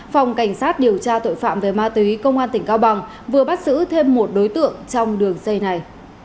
phòng cảnh sát điều tra tội phạm về ma túy công an tỉnh cao bằng vừa bắt giữ thêm một đối tượng trong đường dây này